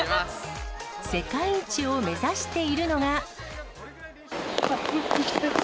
世界一を目指しているのが。